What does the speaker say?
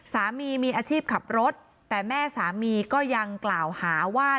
สามีมีอาชีพขับรถแต่แม่สามีก็ยังกล่าวหาว่า